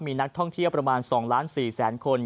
มีนักท่องเที่ยวประมาณ๒ล้าน๔แสนคน